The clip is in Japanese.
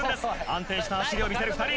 安定した走りを見せる２人。